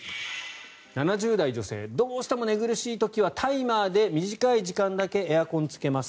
７０代女性どうしても寝苦しい時はタイマーで短い時間だけエアコンをつけます。